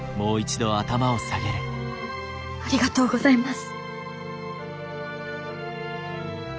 ありがとうございます。